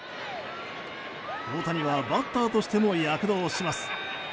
大谷はバッターとしても躍動します。